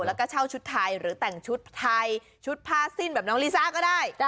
แล้วก็เช่าชุดไทยหรือแต่งชุดไทยชุดผ้าสิ้นแบบน้องลิซ่าก็ได้